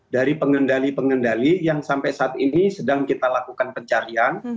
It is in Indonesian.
dari pengendali pengendali yang sampai saat ini sedang kita lakukan pencarian